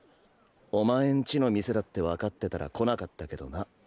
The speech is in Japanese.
お前ん家の店だって分かってたら来なかったけどな。